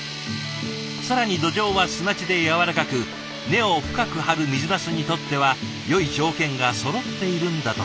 更に土壌は砂地でやわらかく根を深く張る水なすにとってはよい条件がそろっているんだとか。